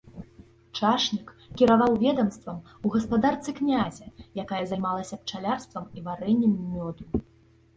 Чашнік кіраваў ведамствам у гаспадарцы князя, якая займалася пчалярствам і варэннем мёду.